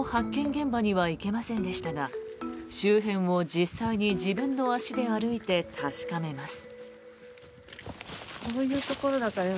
現場には行けませんでしたが周辺を実際に自分の足で歩いて確かめます。